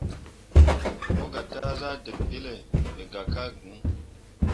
Mo gah taa zahdǝǝge ɓiile me gah ka gŋ.